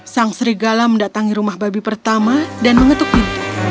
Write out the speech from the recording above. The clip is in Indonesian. sang serigala mendatangi rumah babi pertama dan mengetuk pintu